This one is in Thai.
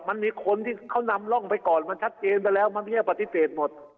มันมีคนที่เขานำร่องไปก่อนมันชัดเจนไปแล้วมันไม่ใช่ปฏิเสธหมด